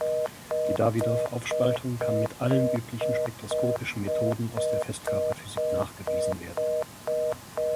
Die Davydov-Aufspaltung kann mit allen üblichen spektroskopischen Methoden aus der Festkörperphysik nachgewiesen werden.